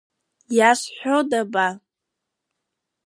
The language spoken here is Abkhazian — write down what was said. Иазҳәода ба?